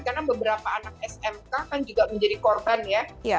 karena beberapa anak smk kan juga menjadi korban ya